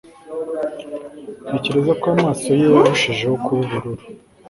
ntekereza ko amaso ye yarushijeho kuba ubururu